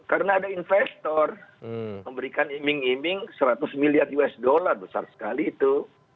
karena ada investor memberikan iming iming seratus miliar usd besar sekali itu